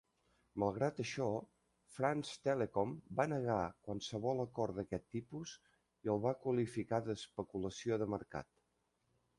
Malgrat això, France Telecom va negar qualsevol acord d'aquest tipus i el va qualificar d'especulació de mercat.